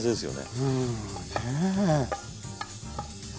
うんねえ。